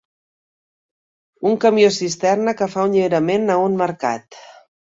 Un camió cisterna que fa un lliurament a un mercat